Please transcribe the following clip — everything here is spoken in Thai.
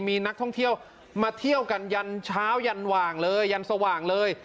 มีนักท่องเที่ยวมาเที่ยวกันยันเช้ายันหว่างเลยยันสว่างเลย